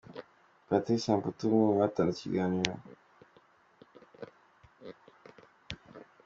Patrick Samputu umwe mu batanze ikiganiro.